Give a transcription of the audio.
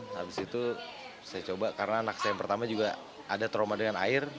habis itu saya coba karena anak saya yang pertama juga ada trauma dengan air